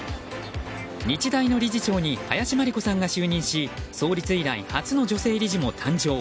日大の理事長に林真理子さんが就任し創立以来初の女性理事も誕生。